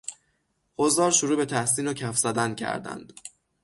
حضار شروع به تحسین و کف زدن کردند.